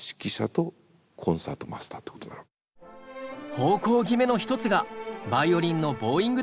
方向決めの一つがヴァイオリンのボーイングだよ。